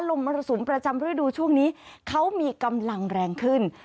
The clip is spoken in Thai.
มรสุมประจำฤดูช่วงนี้เขามีกำลังแรงขึ้น